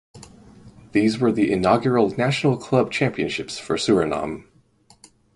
These were the inaugural National Club Championships for Suriname.